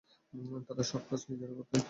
তারা সব কাজ নিজেরাই করতেন।